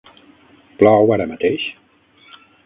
Plou ara mateix?